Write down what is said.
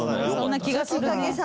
そんな気がするね。